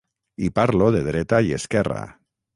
I parlo de dreta i esquerra.